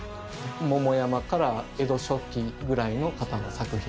桃山から江戸初期ぐらいの方の作品。